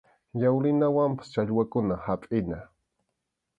Yawrinawanpas challwakuna hapʼina.